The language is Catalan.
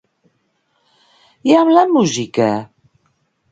I amb la música?